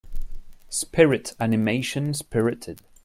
Spirit animation Spirited.